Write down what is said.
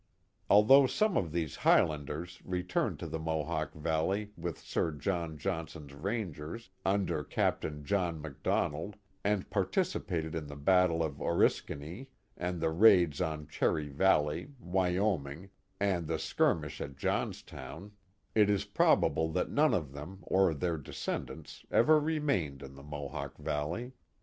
Although some of these Highlanders returned to the Mohawk Valley with Sir John Johnson's Rangers under Captain John Mac Donald and participated in the battle of Oriskany and the raids on Cherry Valley, Wyoming, and the skirmish at Johns town, it is probable that none of them or their descendants ever remained in the Mohawk Valley.